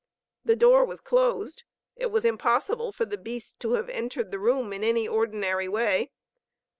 The door was closed. It was impossible for the beast to have entered the room in any ordinary way.